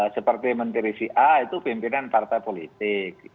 seperti menteri va itu pimpinan partai politik